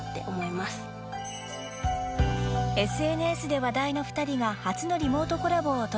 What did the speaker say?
［ＳＮＳで話題の二人が初のリモートコラボをお届けします］